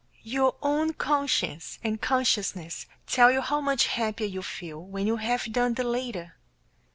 Your own conscience and consciousness tell you how much happier you feel when you have done the latter.